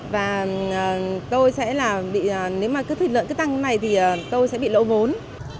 và tôi sẽ là bị nếu mà cứ thịt lợn cứ tăng như thế này thì tôi sẽ bị lỗ vốn